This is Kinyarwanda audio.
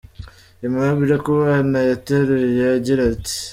Aimable Kubana yateruye agira ati :.